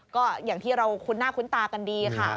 ก็อย่างที่เราคุ้นหน้าคุ้นตากันดีค่ะ